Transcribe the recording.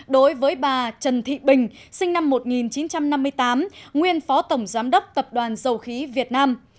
đối với bà trần thị bình sinh năm một nghìn chín trăm năm mươi tám nguyên phó tổng giám đốc tập đoàn dầu khí việt nam